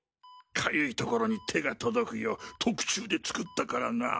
かゆいところに手が届くよう特注で作ったからな。